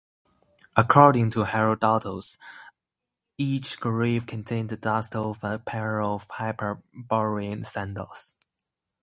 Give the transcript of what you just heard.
According to Herodotus, each grave contained the dust of a pair of Hyperborean sandals.